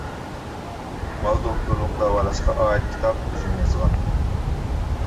مال-دوختۇرلۇق داۋالاشقا ئائىت كىتاب ئۆزۈم يازغان.